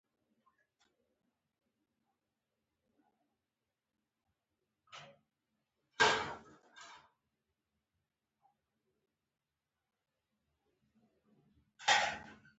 اقتصادي وضع ښه شي.